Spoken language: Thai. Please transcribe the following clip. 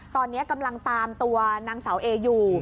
ตอนนี้กำลังตามตัวนางสาวเออยู่